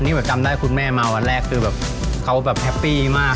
นี่แบบจำได้คุณแม่มาวันแรกคือแบบเขาแบบแฮปปี้มาก